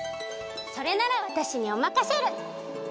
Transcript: それならわたしにおまかシェル！